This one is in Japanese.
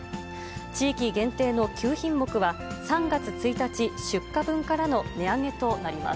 地域限定の９品目は、３月１日出荷分からの値上げとなります。